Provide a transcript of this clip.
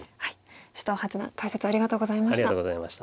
首藤八段解説ありがとうございました。